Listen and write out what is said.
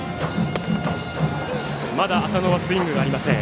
まだ浅野はスイングありません。